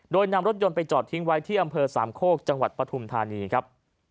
โดยนำรถยนต์ไปจอดทิ้งไว้ที่อำเภอสามโคกจังหวัดปฐุมธานีครับ